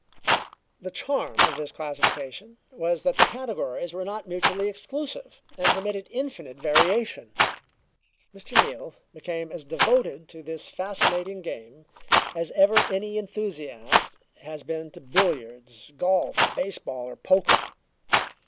The charm of this classification was that the categories were not mutually exclusive, and permitted infinite variation. Mr. Neal became as devoted to this fascinating game as ever any enthusiast has been to billiards, golf, baseball or poker.